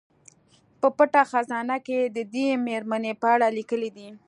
په پټه خزانه کې یې د دې میرمنې په اړه لیکلي دي.